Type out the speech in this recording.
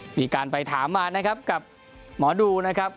มีการไปถามมานะครับกับหมอดูนะครับ